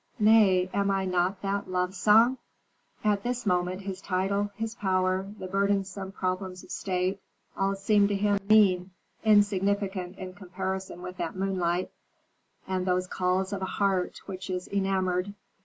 nay, am I not that love song?" At this moment his title, his power, the burdensome problems of state, all seemed to him mean, insignificant in comparison with that moonlight and those calls of a heart which is enamored.